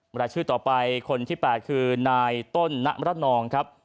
เมื่อละชื่อต่อไปคนที่๘คือนายต้นนรนองครับ